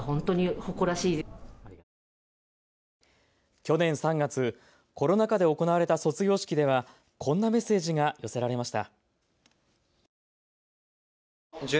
去年３月、コロナ禍で行われた卒業式ではこんなメッセージが寄せられました。